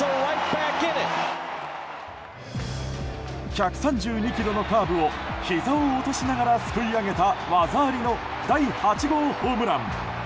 １３２キロのカーブをひざを落としながらすくい上げた技ありの第８号ホームラン。